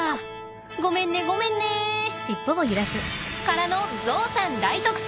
ごめんねごめんね！からのゾウさん大特集！